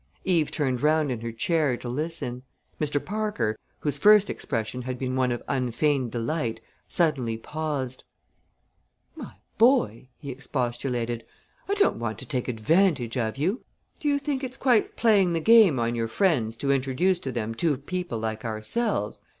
Eve turned round in her chair to listen. Mr. Parker, whose first expression had been one of unfeigned delight, suddenly paused. "My boy," he expostulated, "I don't want to take advantage of you. Do you think it's quite playing the game on your friends to introduce to them two people like ourselves?